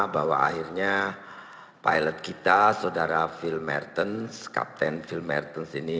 bahwa akhirnya pilot kita saudara phil mertens kapten phil mertens ini